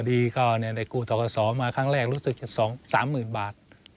ดีก็ได้กู้ทกศมาครั้งแรกรู้สึกจะ๒๓๐๐๐บาท